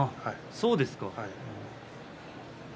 そうですか。